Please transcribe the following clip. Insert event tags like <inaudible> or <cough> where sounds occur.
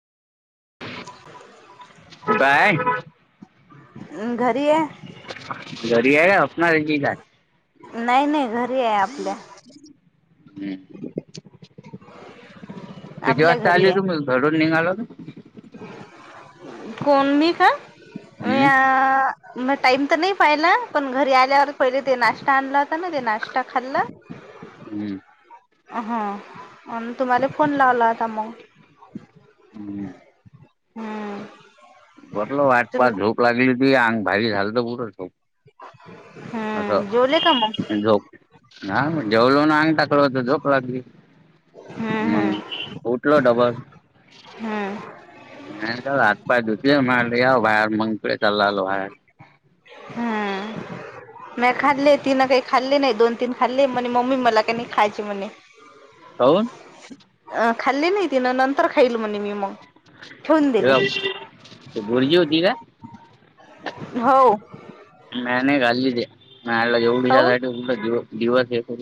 <unintelligible> Bye घरी आहे घरी आहे आपफणारचीी गात. नाही नाही घरी आहे आपल्या हम् किती आपल्या वाजता घरी आली तू आहे मग घडून निघालो ना. कोण मी काय? हम्म मग टाइम तर नाही पाहिला पण घरी आल्यावर पहिले ते नाश्ता आणला होता ना ते नाश्ता खाल्ला हम्म हा आणि तुम्हाला फोन लावला होता मग हम् हम्म बटल वाट तुम्ही पाात झोप लागली ती अंग भाारी झालं तर पुठं झोप. असं हम्म जेवले का मग म्ह जो. ह मग जेवलो ना अंग टाकल होत झोकला. हम्म मंग हम्म उठल डबल हम्म म का हात पाय दू ज महेर मंगपळेे लालो हहे हम्म मी खाल्ली ती ना काही खाल्ले नाही दोन तीन खाल्ले म्हणे मम्मी मला का नाही खायचे म्हणे होन अं खाल्ली नाहीतीि ना नंतर खाईल म्हणे मी मग ठेवून दिले भुरजेवती का हो म नाही खाल्लीला काऊन जेवढीच्यासाठीठ दि दिवस